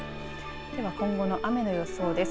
では今後の雨の予想です。